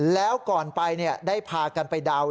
แล้วก่อนไปเนี่ยได้พากันไปดาวน์